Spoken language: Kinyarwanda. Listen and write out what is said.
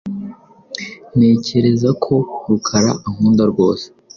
Ntekereza ko Rukara ankunda rwose.